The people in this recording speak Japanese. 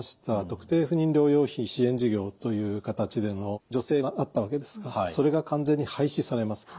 特定不妊療養費支援事業という形での助成があったわけですがそれが完全に廃止されます。